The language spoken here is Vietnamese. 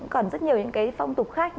còn rất nhiều những phong tục khác